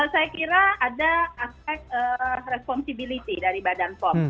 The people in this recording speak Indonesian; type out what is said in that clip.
saya kira ada aspek responsibility dari bepom